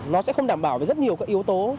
nó sẽ không đảm bảo được rất nhiều các yếu tố